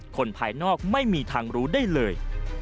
คนภายนอกไม่มีทางรู้ได้เลย